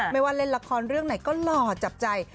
ว่าเล่นละครเรื่องไหนก็หล่อจับใจ